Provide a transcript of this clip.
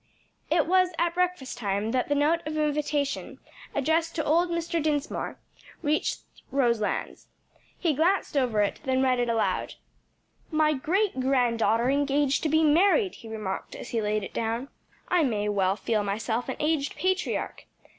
It was at breakfast time that the note of invitation, addressed to old Mr. Dinsmore, reached Roselands. He glanced over it, then read it aloud. "My great granddaughter engaged to be married!" he remarked, as he laid it down. "I may well feel myself an aged patriarch!